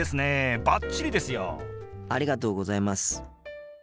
ありがとうございます。